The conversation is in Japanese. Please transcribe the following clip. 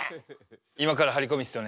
今から張り込みっすよね。